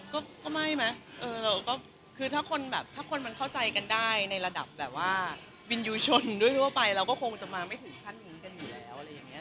ก็ไม่มั้ยถ้าคนเข้าใจกันได้ในระดับวินยูชนด้วยทั่วไปเราก็คงจะมาไม่ถึงคันตรงนี้กันอยู่แล้ว